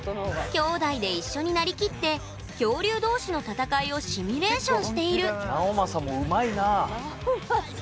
兄弟で一緒になりきって恐竜同士の戦いをシミュレーションしている直将もうまいって。